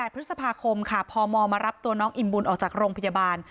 พฤษภาคมค่ะพมมารับตัวน้องอิ่มบุญออกจากโรงพยาบาล